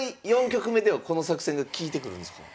４局目ではこの作戦が利いてくるんですか？